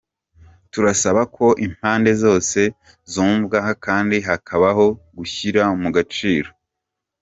"Turasaba ko impande zose zumvwa kandi hakabaho gushyira mu gaciro.